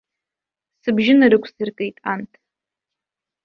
Сыбжьы нарықәсыргеит анҭ.